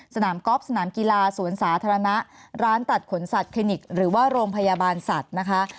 กอล์ฟสนามกีฬาสวนสาธารณะร้านตัดขนสัตว์คลินิกหรือว่าโรงพยาบาลสัตว์นะคะ